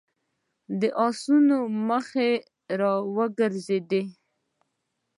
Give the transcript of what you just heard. د آسونو مخې را وګرځېدې.